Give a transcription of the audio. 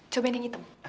cobain yang hitam